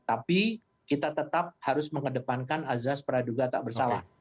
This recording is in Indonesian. tapi kita tetap harus mengedepankan azaz peraduga tak bersalah